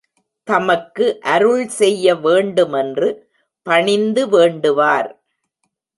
தமக்கு அருள் செய்ய வேண்டுமென்று பணிந்து வேண்டுவார்.